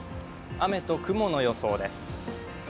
雨と雲の予想です。